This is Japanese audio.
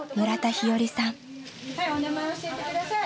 はいお名前教えて下さい。